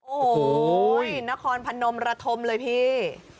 โอ้โหนครพนมระธมเลยพี่